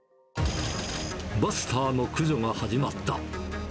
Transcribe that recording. バスターの駆除が始まった。